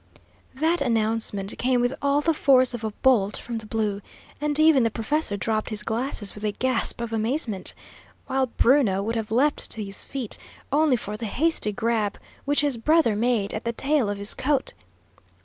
That announcement came with all the force of a bolt from the blue, and even the professor dropped his glasses with a gasp of amazement, while Bruno would have leaped to his feet, only for the hasty grab which his brother made at the tail of his coat.